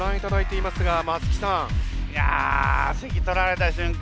いや席取られた瞬間